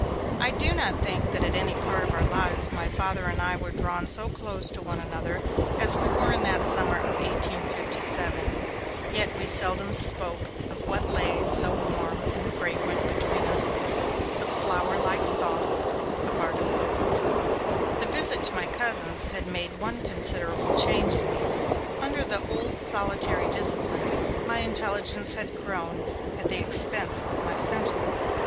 I do not think that at any part of our lives my Father and I were drawn so close to one another as we were in that summer of 1857. Yet we seldom spoke of what lay so warm and fragrant between us, the flower like thought of our Departed. The visit to my cousins had made one considerable change in me. Under the old solitary discipline, my intelligence had grown at the expense of my sentiment.